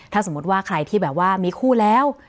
ถ้าสมมุติว่าใครที่แบบว่ามีคู่แล้ว